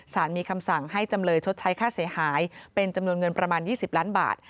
มีคำสั่งให้จำเลยชดใช้ค่าเสียหายเป็นจำนวนเงินประมาณ๒๐ล้านบาท